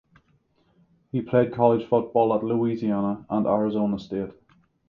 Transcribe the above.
He played college football at Louisiana and Arizona State.